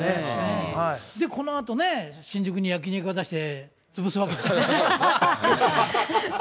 でこのあとね、新宿に焼き肉屋出して潰すわけですよね。